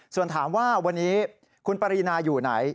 ส่วนถามว่าวันนี้คุณปรีนาอยู่ไหน